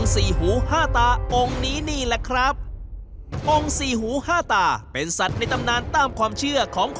เชื่อว่าเป็นเทพเจ้าแห่งโชคลาบเงินทอง